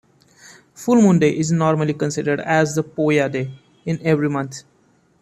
Full moon day is normally considered as the poya day in every month.